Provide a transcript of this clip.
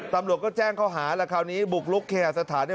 ตำรวจก็แจ้งข้อหาแล้วคราวนี้บุกลุกเคหาสถานเนี่ย